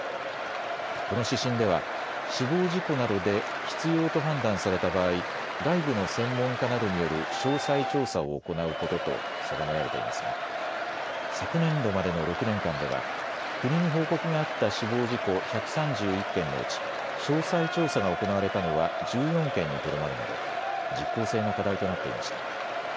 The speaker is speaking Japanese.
この指針では死亡事故などで必要と判断された場合、外部の専門家などによる詳細調査を行うことと定められていますが昨年度までの６年間では国に報告があった死亡事故１３１件のうち詳細調査が行われたのは１４件にとどまるなど実効性が課題となっていました。